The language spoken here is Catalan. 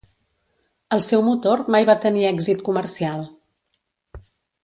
El seu motor mai va tenir èxit comercial.